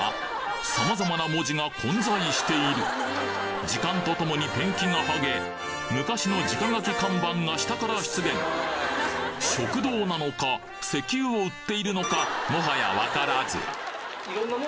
様々な文字が混在している時間とともにペンキが剥げ昔の直書き看板が下から出現食堂なのか石油を売っているのかもはや分からず